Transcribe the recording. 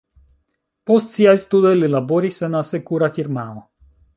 Post siaj studoj li laboris en asekura firmao.